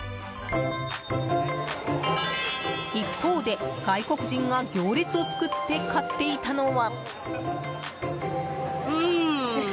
一方で、外国人が行列を作って買っていたのは。